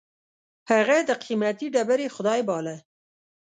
هغه د قېمتي ډبرې خدای باله.